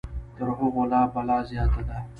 تر هغوی لا بلا زیاته ده.